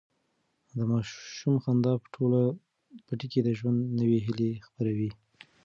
د ماشوم خندا په ټول پټي کې د ژوند نوي هیلې خپرولې.